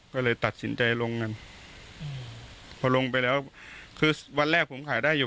ก็เลยตัดสินใจลงกันพอลงไปแล้วคือวันแรกผมขายได้อยู่